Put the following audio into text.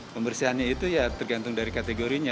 pembersihannya itu ya tergantung dari kategorinya